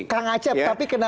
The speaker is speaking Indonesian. kangen acap tapi kenapa